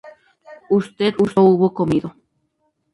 Usted no hubo comido